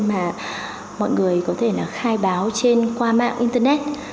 mà mọi người có thể là khai báo trên qua mạng internet